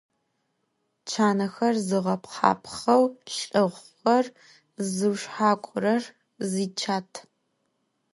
Чаныхэр зыгъэпхъапхъэу лlыхъухэр зыушъхьакlурэр зичат